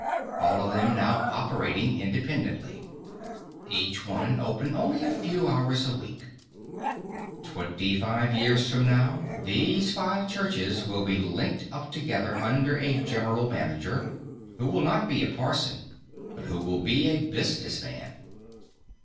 All of them now operating independently. Each one open only a few hours a week. Twenty five years from now these five churches will be linked up together under a general manager who will not be a parson, but who will be a business man.